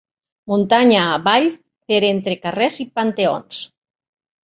Muntanya avall, per entre carrers i panteons